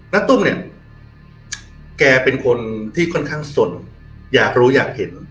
ตุ้มเนี่ยแกเป็นคนที่ค่อนข้างสนอยากรู้อยากเห็น